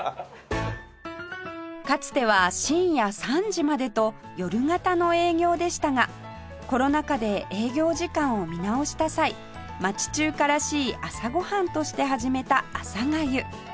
かつては深夜３時までと夜型の営業でしたがコロナ禍で営業時間を見直した際町中華らしい朝ご飯として始めたあさがゆ